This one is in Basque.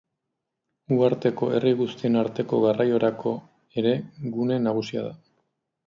Uharteko herri guztien arteko garraiorako ere gune nagusia da.